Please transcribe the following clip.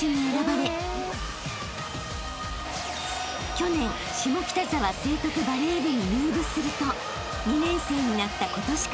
［去年下北沢成徳バレー部に入部すると２年生になった］